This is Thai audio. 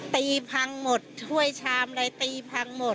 พังหมดถ้วยชามอะไรตีพังหมด